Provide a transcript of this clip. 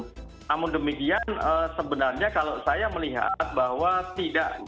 namun demikian sebenarnya kalau saya melihat bahwa tidak